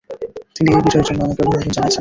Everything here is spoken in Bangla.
তিনি এই বিজয়ের জন্য আমাকে অভিনন্দন জানিয়েছেন।